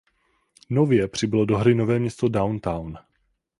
Nově přibylo do hry nové město "Downtown".